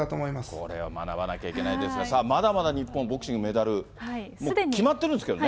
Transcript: これは学ばなきゃいけないですが、さあ、まだまだ日本、ボクシングメダル。決まってるんですけどね。